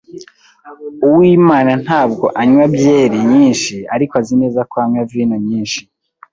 Uwimana ntabwo anywa byeri nyinshi, ariko azi neza ko anywa vino nyinshi.